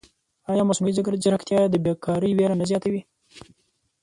ایا مصنوعي ځیرکتیا د بېکارۍ وېره نه زیاتوي؟